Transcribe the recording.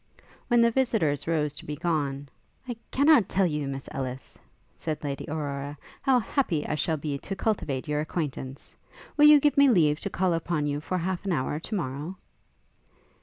When the visitors rose to be gone, 'I cannot tell you, Miss Ellis,' said Lady Aurora, 'how happy I shall be to cultivate your acquaintance. Will you give me leave to call upon you for half an hour to morrow?'